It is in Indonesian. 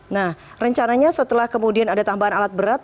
nah rencananya setelah kemudian ada tambahan alat berat